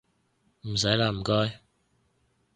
唔使喇唔該